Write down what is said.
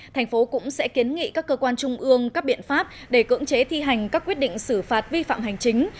thành phố cũng sẽ kiến nghị các cơ quan trung ương các biện pháp để cưỡng chế thi hành các quyết định xử phạt vi phạm hành chính